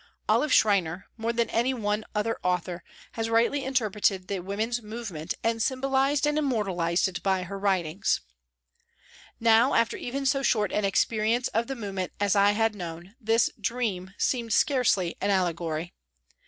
Olive Schreiner, more than any one other author, has rightly interpreted the woman's movement and symbolised and immortalised it by her writings. Now after even so short an experience of the move ment as I had known, this " Dream " seemed scarcely an allegory.